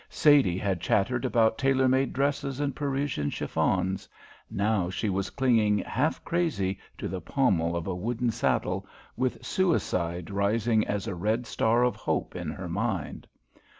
Sadie had chattered about tailor made dresses and Parisian chiffons. Now she was clinging, half crazy, to the pommel of a wooden saddle, with suicide rising as a red star of hope in her mind.